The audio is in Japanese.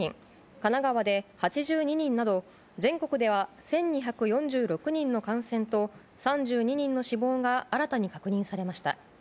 神奈川で８２人など全国では１２４６人の感染と３２人の死亡が新たに確認されました。